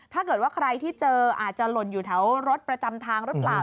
ถ้าเกิดว่าใครที่เจออาจจะหล่นอยู่แถวรถประจำทางหรือเปล่า